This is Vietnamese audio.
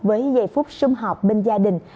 với giây phút xung họp bên gia đình